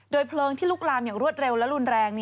เพลิงที่ลุกลามอย่างรวดเร็วและรุนแรง